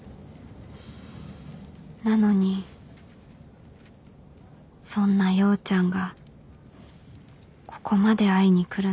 なのにそんな陽ちゃんがここまで会いに来るなんて